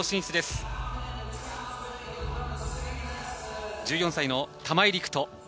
１４歳の玉井陸斗